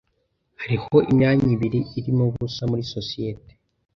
Hariho imyanya ibiri irimo ubusa muri sosiyete.